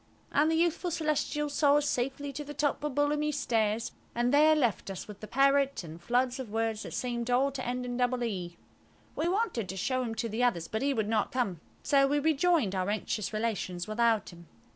And the youthful Celestial saw us safely to the top of Bullamy's Stairs, and left us there with the parrot and floods of words that seemed all to end in double "e". We wanted to show him to the others, but he would not come, so we rejoined our anxious relations without him.